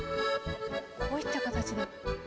こういった形で。